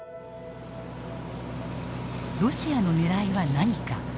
ロシアのねらいは何か。